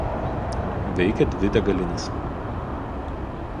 Veikia dvi degalinės.